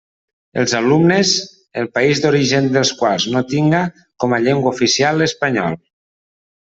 Els alumnes, el país d'origen dels quals no tinga com a llengua oficial l'espanyol.